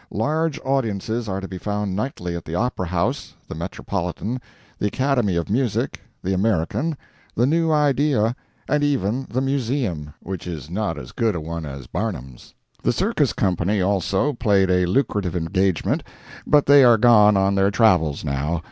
Large audiences are to be found nightly at the Opera House, the Metropolitan, the Academy of Music, the American, the New Idea, and even the Museum, which is not as good a one as Barnum's. The Circus company, also, played a lucrative engagement, but they are gone on their travels now.